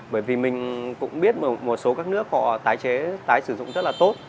bởi vì mình cũng biết một số các nước họ tái chế tái sử dụng rất là tốt